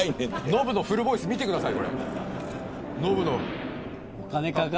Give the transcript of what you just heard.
ノブのフルボイス見てください。